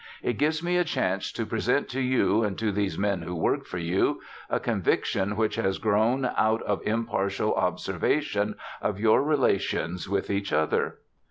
"It gives me a chance to present to you, and to these men who work for you, a conviction which has grown out of impartial observation of your relations with each other.